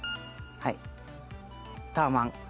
はいタワマン。